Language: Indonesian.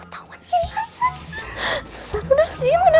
udah ada di atas meja